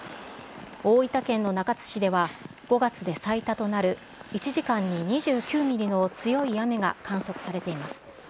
大分県の中津市では、５月で最多となる１時間に２９ミリの強い雨が観測されています。